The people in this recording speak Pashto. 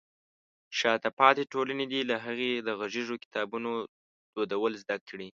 شاته پاتې ټولنې دې له هغې د غږیزو کتابونو دودول زده کړي.